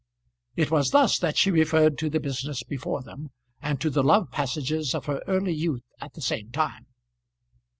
It was thus that she referred to the business before them, and to the love passages of her early youth at the same time.